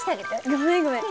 ごめんごめん。